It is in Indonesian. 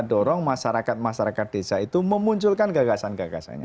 dorong masyarakat masyarakat desa itu memunculkan gagasan gagasannya